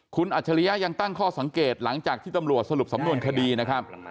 คุณอัจฉริยะยังตั้งข้อสังเกตหลังจากที่ตำรวจสรุปสำนวนคดีนะครับ